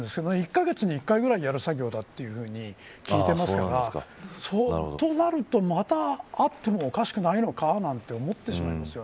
１カ月に１回ぐらいやる作業だと聞いていますからとなると、またあってもおかしくないのかなんて